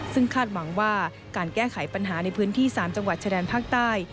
ซึ่งคาดหวังว่าการแก้ไขปัญหาในพื้นที่๓จังหวัดชายแดนภาคใต้